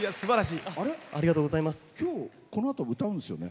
今日、このあと歌うんですよね？